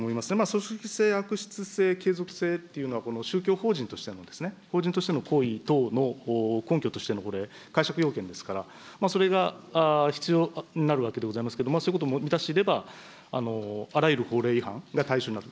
組織性、悪質性、継続性というのは、宗教法人としてのですね、法人としての行為等の根拠としてのこれ、解釈要件ですから、それが必要になるわけでございますけれども、そういうことも満たしていれば、あらゆる法令違反が対象になる。